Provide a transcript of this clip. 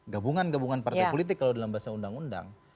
gabungan gabungan partai politik kalau dalam bahasa undang undang